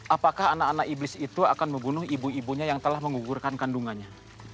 apakah anak anak iblis itu akan membunuh ibu ibunya yang telah mengugurkan kandungannya